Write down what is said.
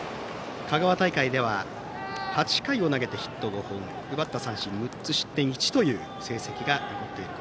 香川大会では８回を投げてヒット５本奪った三振６つ失点１という成績が残っている。